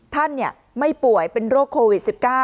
ท่านไม่ป่วยเป็นโรคโควิด๑๙